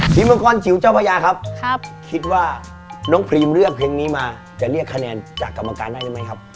มังกรจิ๋วเจ้าพระยาครับคิดว่าน้องพรีมเลือกเพลงนี้มาจะเรียกคะแนนจากกรรมการได้ได้ไหมครับ